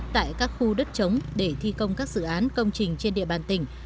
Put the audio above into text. tại các khu đất chống để thi công các dự án công trình trên địa bàn tỉnh